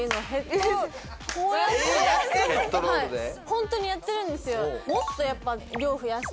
ホントにやってるんですよ。